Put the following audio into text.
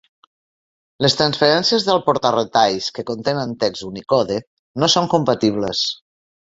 Les transferències del porta-retalls que contenen text Unicode no són compatibles.